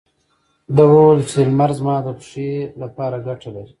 ده وويل چې لمر زما د پښې لپاره ګټه لري.